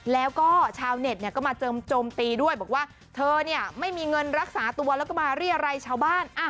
แล้วก็ชาวเน็ตก็มาโจมตีด้วยบอกว่าเธอเนี่ยไม่มีเงินรักษาตัวแล้วก็มาเรียรัยชาวบ้าน